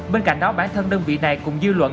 bên cạnh đó bản thân đơn vị này cũng dư luận